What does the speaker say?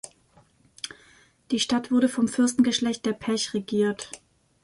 Die Stadt wurde vom Fürstengeschlecht der Pech regiert.